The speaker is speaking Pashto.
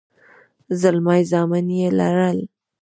زلمي زامن يې لرل.